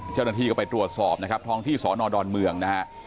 เจ้าหน้าที่ก็ไปตรวจสอบนะครับท้องที่สอนอดอนเมืองนะฮะ